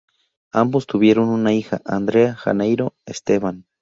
Ambos tuvieron una hija, Andrea Janeiro Esteban.